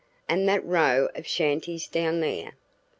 "And that row of shanties down there?"